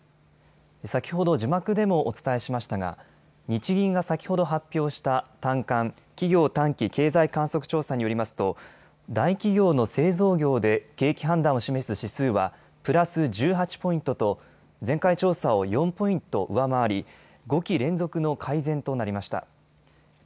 先ほど字幕でもお伝えしましたが日銀が先ほど発表した短観・企業短期経済観測調査によりますと大企業の製造業で景気判断を示す指数はプラス１８ポイントと前回調査を４ポイント上回り、５期連続の改善となりました。